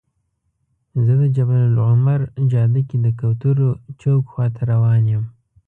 زه د جبل العمر جاده کې د کوترو چوک خواته روان یم.